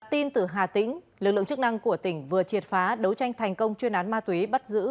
tin từ hà tĩnh lực lượng chức năng của tỉnh vừa triệt phá đấu tranh thành công chuyên án ma túy bắt giữ